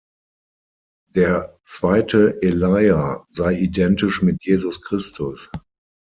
Der zweite Elia sei identisch mit Jesus Christus.